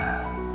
kita mau mencari